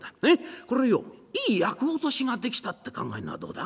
これよいい厄落としができたって考えるのはどうだ？